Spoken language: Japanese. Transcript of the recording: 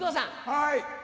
はい！